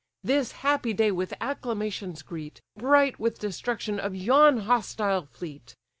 This happy day with acclamations greet, Bright with destruction of yon hostile fleet.